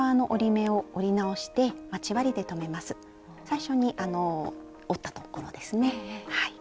最初に折ったところですね。